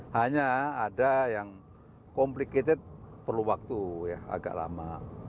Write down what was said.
hanya ada yang complicated perlu waktu ya agak lama